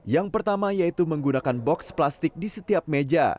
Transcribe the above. yang pertama yaitu menggunakan box plastik di setiap meja